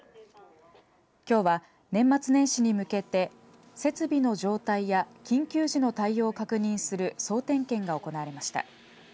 きょうは年末年始に向けて設備の状態や緊急時の対応を確認する総点検が行われました。